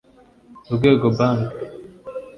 Urwego Bank